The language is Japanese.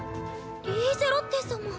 リーゼロッテ様。